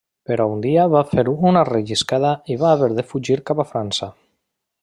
Però un dia va fer una relliscada i va haver de fugir cap a França.